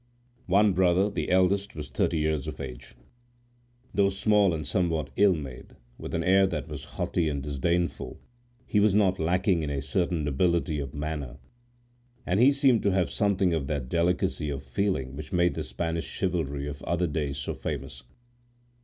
One brother, the eldest, was thirty years of age. Though small and somewhat ill made, with an air that was haughty and disdainful, he was not lacking in a certain nobility of manner, and he seemed to have something of that delicacy of feeling which made the Spanish chivalry of other days so famous.